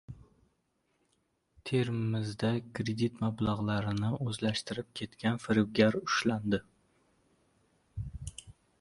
Termizda kredit mablag‘larini o‘zlashtirib ketgan firibgar ushlandi